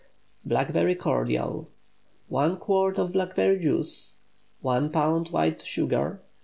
BLACKBERRY CORDIAL. 1 quart of blackberry juice. 1 lb. white sugar.